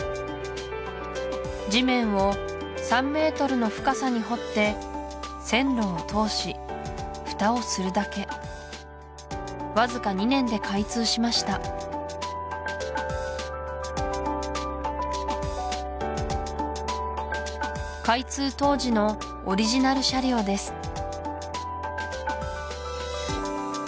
地面を３メートルの深さに掘って線路を通しフタをするだけわずか２年で開通しました開通当時のオリジナル車両です